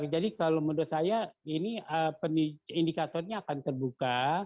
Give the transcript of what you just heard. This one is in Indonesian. jadi kalau menurut saya ini indikatornya akan terbuka